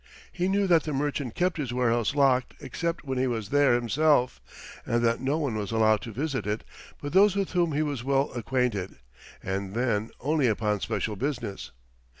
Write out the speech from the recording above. He knew that the merchant kept his warehouse locked except when he was there himself, and that no one was allowed to visit it but those with whom he was well acquainted, and then only upon special business.